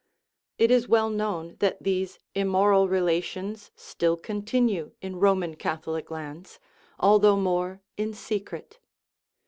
It is well known that these immoral relations still con tinue in Roman Catholic lands, although more in secret.